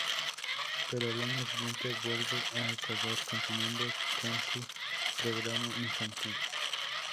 Pero al año siguiente vuelve a Ecuador continuando con su programa infantil.